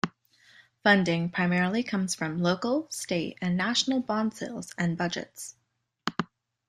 Funding primarily comes from local, state, and national bond sales and budgets.